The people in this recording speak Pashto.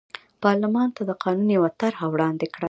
پارلمان ته د قانون یوه طرحه وړاندې کړه.